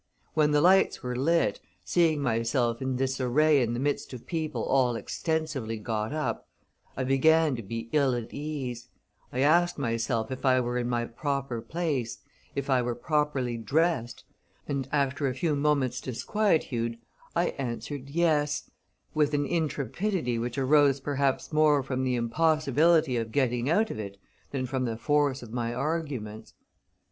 ... When the lights were lit, seeing myself in this. array in the midst of people all extensively got up, I began to be ill at ease; I asked myself if I were in my proper place, if I were properly dressed, and, after a few moments' disquietude, I answered yes, with an intrepidity which arose perhaps more from the impossibility of getting out of it than from the force of my arguments.